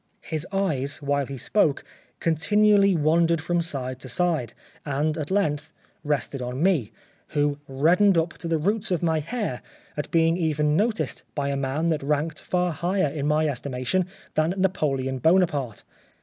His eyes, while he spoke, continually wandered from side to side, and at length rested on me, who reddened up to the roots of my hair at being even noticed by a man that ranked far higher in my estimation than Napoleon Bona parte.